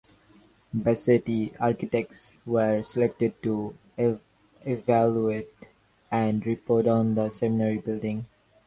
Bassetti Architects were selected to evaluate and report on the Seminary building.